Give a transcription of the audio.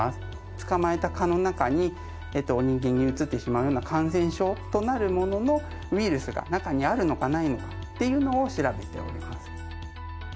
捕まえた蚊の中に人間にうつってしまうような感染症となるもののウイルスが中にあるのかないのかっていうのを調べております。